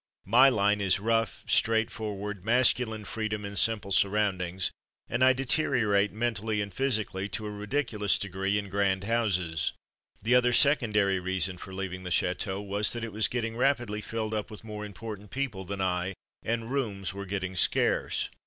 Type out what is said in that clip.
My line is rough, straight forward, masculine freedom in simple sur roundings, and I deteriorate, mentally and physically, to a ridiculous degree in grand houses. The other secondary reason for leaving the chateau was, that it was rapidly filling up with more important people than I, and rooms were getting scarce.